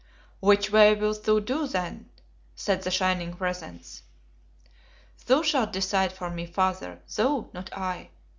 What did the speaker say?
"Which way wilt thou do, then?" said the shining presence. "Thou shalt decide for me, Father, thou, not I!"